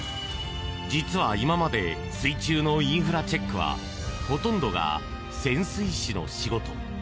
実は今まで水中のインフラチェックはほとんどが潜水士の仕事。